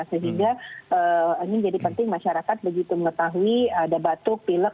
sehingga ini menjadi penting masyarakat begitu mengetahui ada batuk pilek